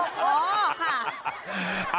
อ๋อค่ะ